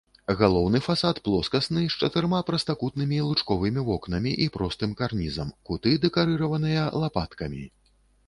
Галоўны фасад плоскасны з чатырма прастакутнымі лучковымі вокнамі і простым карнізам, куты дэкарыраваныя лапаткамі.